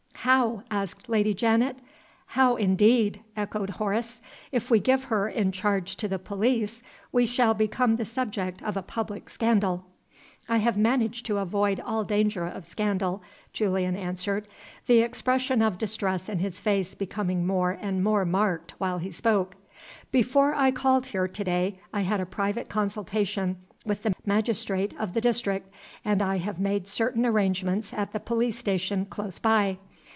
"How?" asked Lady Janet. "How, indeed!" echoed Horace. "If we give her in charge to the police, we shall become the subject of a public scandal." "I have managed to avoid all danger of scandal," Julian answered; the expression of distress in his face becoming more and more marked while he spoke. "Before I called here to day I had a private consultation with the magistrate of the district, and I have made certain arrangements at the police station close by.